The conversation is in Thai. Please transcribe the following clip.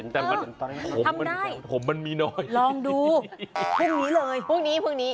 แต่ผมมันมีน้อยลองดูพรุ่งนี้เลยพรุ่งนี้พรุ่งนี้